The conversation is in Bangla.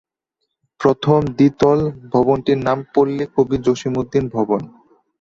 প্রথম দ্বিতল ভবনটির নাম "পল্লী কবি জসিম উদ্দিন ভবন"।